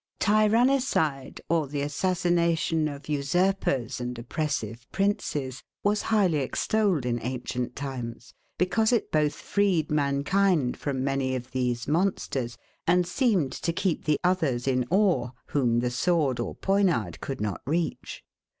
Tyrannicide, or the assassination of usurpers and oppressive princes, was highly extolled in ancient times; because it both freed mankind from many of these monsters, and seemed to keep the others in awe, whom the sword or poniard could not reach.